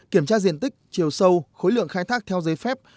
kiểm tra diện tích chiều sâu khối lượng khai thác theo giấy phép